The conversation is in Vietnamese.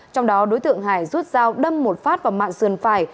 trong đó đối tượng hải rút dao đâm một phát vào mạng sườn phải